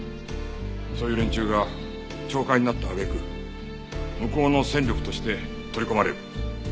そういう連中が懲戒になった揚げ句向こうの戦力として取り込まれる。